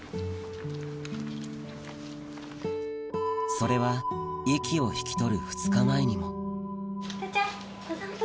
それは息を引き取る２日前にも殿ちゃん。